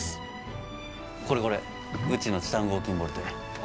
これこれうちのチタン合金ボルトや。